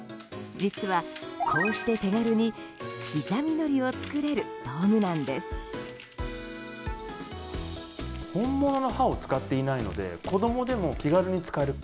実は、こうして手軽に刻みのりを作れる道具なんです。